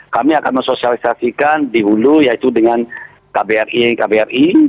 kami akan mensosialisasikan di hulu yaitu dengan kbri kbri